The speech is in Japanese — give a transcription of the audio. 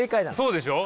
そうでしょ？